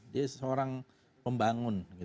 dia seorang pembangun